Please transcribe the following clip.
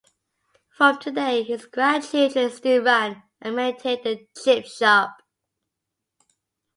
From today his grandchildren still run and maintain the chip shop.